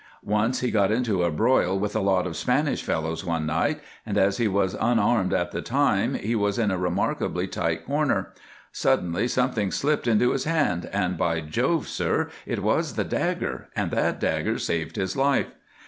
Once he got into a broil with a lot of Spanish fellows one night, and as he was unarmed at the time he was in a remarkably tight corner. Suddenly something slipped into his hand, and, by Jove, sir, it was the dagger, and that dagger saved his life.